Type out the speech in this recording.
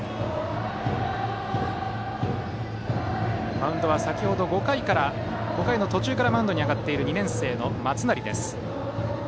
マウンドは先程５回途中からマウンドに上がっている２年生の松成です。